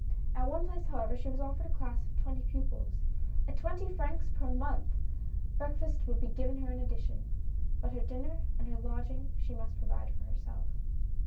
At one place, however, she was offered a class of twenty pupils, at twenty francs per month ! Breakfast would be given her in addition, but her dinner and her lodging she must provide for herself.